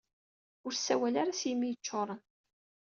Ur ssawal ara s yimi yeččuṛen.